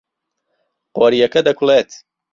قۆریەکە دەکوڵێت.